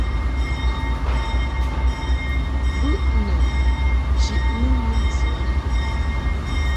Bɨʼnu chiʼni mɨ ntɨ a.